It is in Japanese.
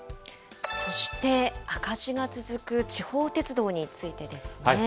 そして、赤字が続く地方鉄道についてですね。